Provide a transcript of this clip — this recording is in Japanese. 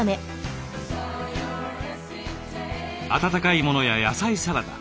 温かいものや野菜サラダ。